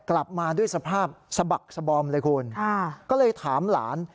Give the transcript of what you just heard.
กลับมาด้วยสภาพสะบักสบอมเลยคุณก็เลยถามหลาน